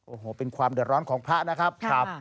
โอ้โหเป็นความเดือดร้อนของพระนะครับ